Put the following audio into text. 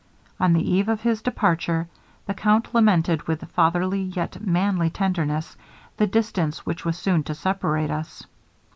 On the eve of his departure, the count lamented, with fatherly yet manly tenderness, the distance which was soon to separate us.